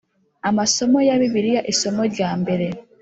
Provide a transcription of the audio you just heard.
Amasomo ya Bibiliya isomo rya mbere